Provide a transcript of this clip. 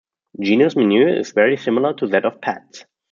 Geno's menu is very similar to that of Pat's.